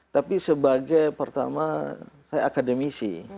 tapi sebagai pertama saya akademisi